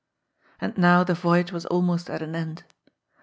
And now the voyage was almost at an end.